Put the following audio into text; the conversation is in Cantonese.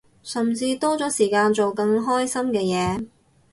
甚至多咗時間做更開心嘅嘢